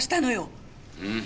うん？